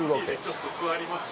ちょっと座ります？